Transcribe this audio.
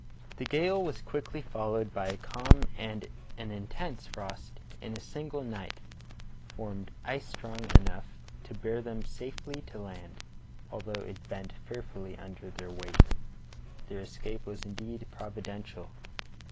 The gale was quickly followed by a calm, and an intense frost in a single night formed ice strong enough to bear them safely to land, although it bent fearfully under their weight. Their escape was indeed providential.